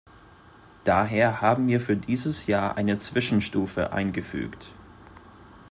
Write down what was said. Daher haben wir für dieses Jahr eine Zwischenstufe eingefügt.